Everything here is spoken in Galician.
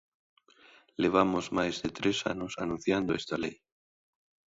Levamos máis de tres anos anunciando esta lei.